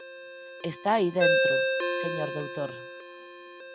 Está aí dentro, señor doutor.